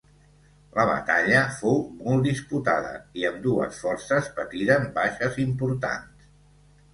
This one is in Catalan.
La batalla fou molt disputada i ambdues forces patiren baixes importants.